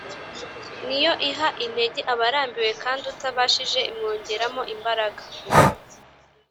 ni yo iha intege abarambiwe, kandi utibashije imwongeramo imbaraga